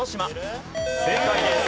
正解です。